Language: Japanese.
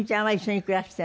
はい。